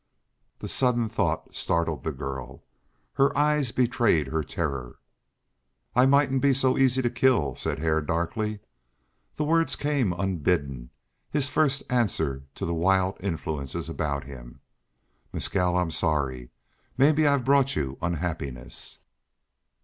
The sudden thought startled the girl. Her eyes betrayed her terror. "I mightn't be so easy to kill," said Hare, darkly. The words came unbidden, his first answer to the wild influences about him. "Mescal, I'm sorry maybe I've brought you unhappiness."